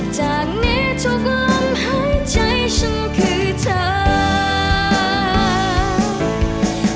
จากนี้ทุกลมหายใจฉันคือเธอ